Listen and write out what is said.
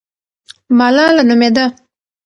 ملاله نومېده.